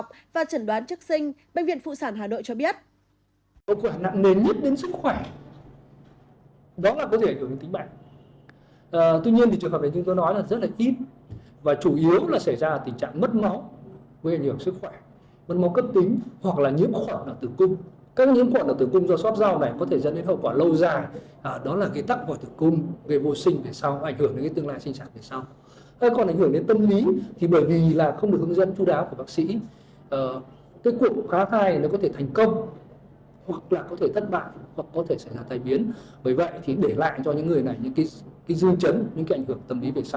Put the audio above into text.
bác sĩ nguyễn cảnh trương phó giám đốc trung tâm sàng lọc và trần đoán trức sinh bệnh viện phụ sản hà nội cho biết